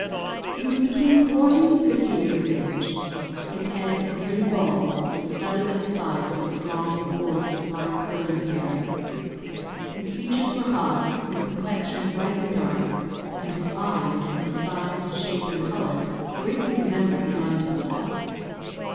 He was between forty and fifty years of age; his head, nearly bald, was studded at the sides with strong, coarse, black curling hair. His features were high, his complexion brightly dark, and his eyes, in size, shape, and colour, greatly resembled the eyes of a hawk.